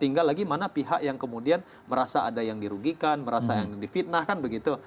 tinggal lagi mana pihak yang kemudian merasa ada yang dirugikan merasa yang difitnahkan begitu